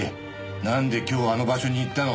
なんで今日あの場所に行ったの？